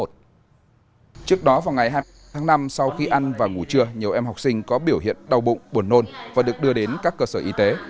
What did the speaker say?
trước đó vào ngày tháng năm sau khi ăn và ngủ trưa nhiều em học sinh có biểu hiện đau bụng buồn nôn và được đưa đến các cơ sở y tế